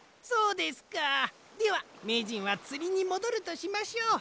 ではめいじんはつりにもどるとしましょう。